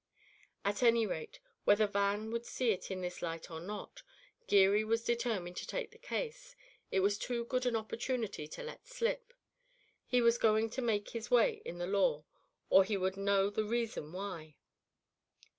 At any rate, whether Van would see it in this light or not, Geary was determined to take the case; it was too good an opportunity to let slip; he was going to make his way in the law or he would know the reason why.